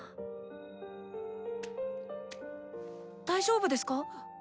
大丈夫ですか？